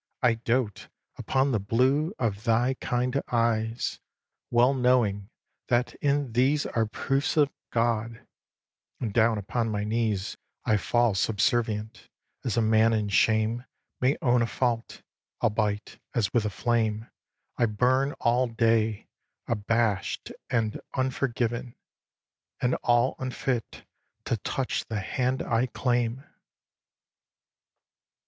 I doat upon the blue Of thy kind eyes, well knowing that in these Are proofs of God; and down upon my knees I fall subservient, as a man in shame May own a fault; albeit, as with a flame, I burn all day, abash'd and unforgiven, And all unfit to touch the hand I claim!